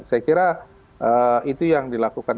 saya kira itu yang dilakukan